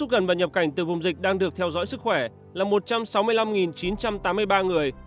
tiếp xúc gần và nhập cảnh từ vùng dịch đang được theo dõi sức khỏe là một trăm sáu mươi năm chín trăm tám mươi ba người